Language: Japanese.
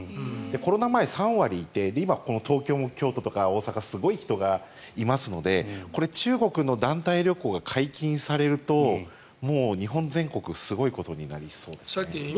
コロナ前、３割いて東京、京都、大阪すごい人がいますのでこれ、中国の団体旅行が解禁されると日本全国すごいことになりそうですね。